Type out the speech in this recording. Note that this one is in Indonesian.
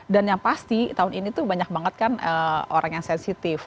dan yang pasti tahun ini tuh banyak banget kan orang yang sensitif